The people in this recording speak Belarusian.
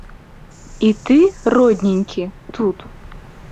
І ты, родненькі, тут?